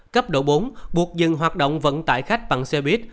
cấp độ bốn buộc dừng hoạt động vận tải khách bằng xe buýt